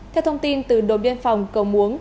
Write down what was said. theo thông tin từ đội biên phòng cầu muống